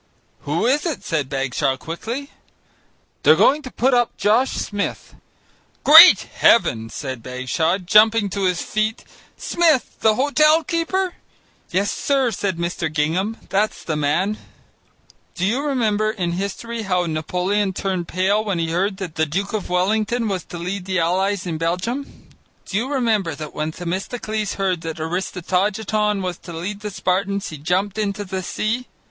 "Who is it?" said Bagshaw quickly. "They're going to put up Josh Smith." "Great Heaven!" said Bagshaw, jumping to his feet; "Smith! the hotel keeper." "Yes, sir," said Mr. Gingham, "that's the man." Do you remember, in history, how Napoleon turned pale when he heard that the Duke of Wellington was to lead the allies in Belgium? Do you remember how when Themistocles heard that Aristogiton was to lead the Spartans, he jumped into the sea?